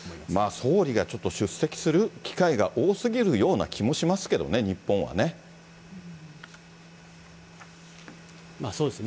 総理がちょっと出席する機会が多すぎるような気もしますけどそうですね。